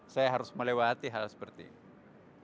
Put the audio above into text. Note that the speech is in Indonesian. saya harus melewati hal seperti ini